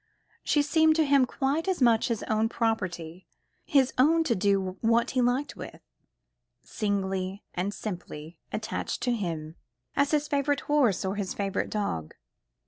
She seemed to him quite as much his own property, his own to do what he liked with, singly and simply attached to him, as his favourite horse or his favourite dog.